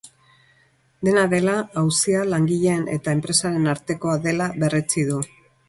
Dena dela, auzia langileen eta enpresaren artekoa dela berretsi du.